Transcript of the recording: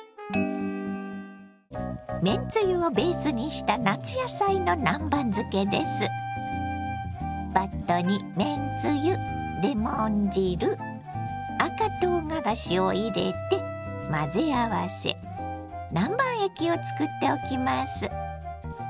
めんつゆをベースにしたバットにめんつゆレモン汁赤とうがらしを入れて混ぜ合わせ南蛮液を作っておきます。